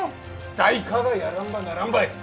誰かがやらんばならんばい。